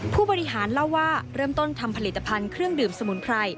ผู้บริหารเล่าว่าเริ่มต้นทำผลิตภัณฑ์เครื่องดื่มสมุนไพร